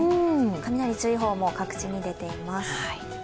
雷注意報も各地に出ています。